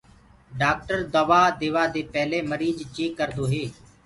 ڊآڪٽر دوآ ديوآ دي پيلي ميرج چيڪ ڪردو هي۔